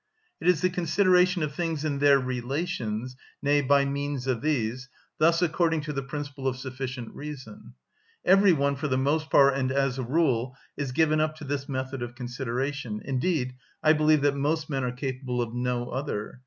It is the consideration of things in their relations, nay, by means of these, thus according to the principle of sufficient reason. Every one, for the most part and as a rule, is given up to this method of consideration; indeed I believe that most men are capable of no other.